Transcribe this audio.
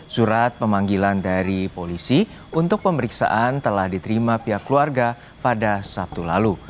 surat pemanggilan dari polisi untuk pemeriksaan telah diterima pihak keluarga pada sabtu lalu